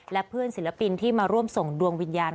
และเพื่อนศิลปินที่มาร่วมส่งดวงวิญญาณ